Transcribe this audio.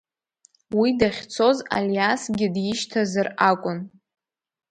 Уи дахьцоз Алиасгьы дишьҭазар акәын.